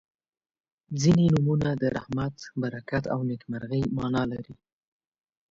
• ځینې نومونه د رحمت، برکت او نیکمرغۍ معنا لري.